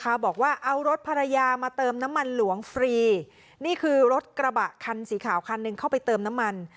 บอกว่าเอารถภรรยามาเติมน้ำมันหลวงฟรีนี่คือรถกระบะคันสีขาวคันหนึ่งเข้าไปเติมน้ำมัน